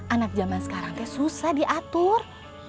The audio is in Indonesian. anak zaman sekarang kayak susah diatur